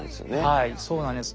はいそうなんです。